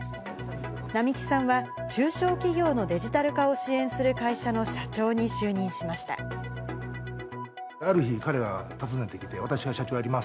並木さんは中小企業のデジタル化を支援する会社の社長に就任しま